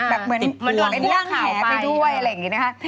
แบบเหมือนร่างแหไปด้วยอะไรอย่างนี้นะคะ